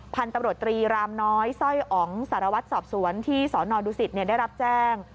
พันธุ์ตำรวจตรีรามน้อยสร้อยอ๋องสารวัตรสอบสวนที่สนดุสิตได้รับแจ้ง